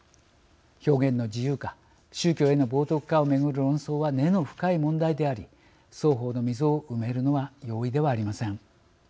表現の自由か宗教への冒涜かを巡る論争は根の深い問題であり双方の溝を埋めるのは容易ではありません。